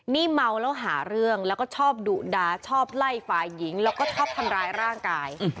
นี่เมาแล้วหาเรื่องแล้วก็ชอบดุดาชอบไล่ฝ่ายหญิงแล้วก็ชอบทำร้ายร่างกาย